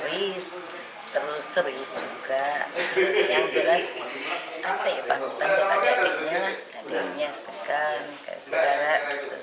kalau ini humoris serius juga yang jelas ada adiknya adiknya segan kayak saudara gitu